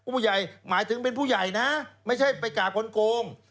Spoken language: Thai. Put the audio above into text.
ผู้ใหญ่หมายถึงเป็นผู้ใหญ่นะไม่ใช่ไปกล่าคนโกง